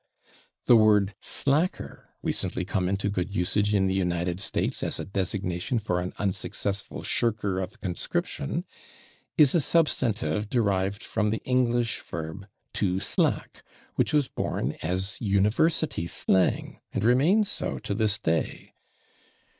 The word /slacker/, recently come into good usage in the United States as a designation for an unsuccessful shirker of conscription, is a substantive derived from the English verb /to slack/, which was born as university slang and remains so to this day.